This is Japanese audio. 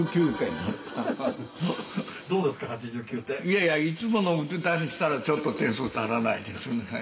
いやいやいつもの歌にしたらちょっと点数足らないですね。